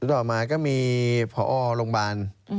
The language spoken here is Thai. ต่อมาก็มีพอโรงพยาบาล